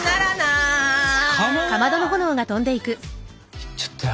行っちゃったよ。